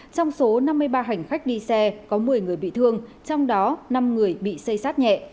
trong số năm mươi ba hành khách đi xe có một mươi người bị thương trong đó năm người bị xây sát nhẹ